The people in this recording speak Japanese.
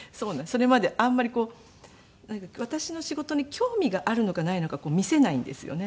それまであんまりこう私の仕事に興味があるのかないのか見せないんですよね。